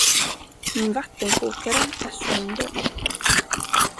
Min vattenkokare är sönder.